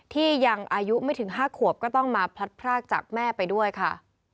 ที่ยังอายุไม่ถึง๕ขวบก็ต้องมาพลัดพรากจากแม่ไปด้วยค่ะ